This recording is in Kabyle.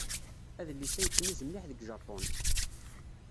Adlis-a yettnuz mliḥ deg Japun.